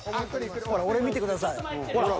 ［ほら俺見てくださいほら］